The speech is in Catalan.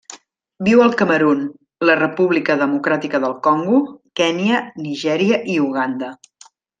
Viu al Camerun, la República Democràtica del Congo, Kenya, Nigèria i Uganda.